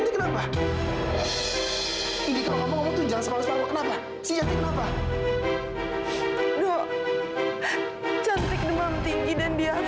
kenapa enggak boleh sih kak